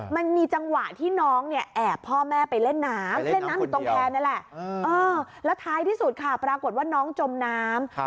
มันมีจังหวะที่น้องแอบพ่อแม่ไปเล่นน้ำ